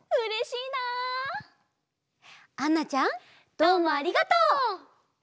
どうもありがとう！